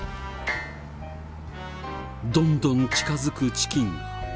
どんどん近づくチキン。